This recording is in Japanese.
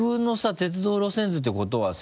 鉄道路線図ってことはさ。